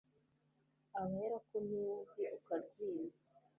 aba yarakomye yombi ukarwima